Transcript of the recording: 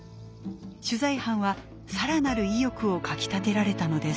取材班はさらなる意欲をかきたてられたのです。